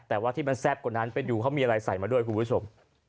แต่ว่าที่มันแซ่บกว่านั้นไปดูเขามีอะไรใส่มาด้วยคุณผู้ชม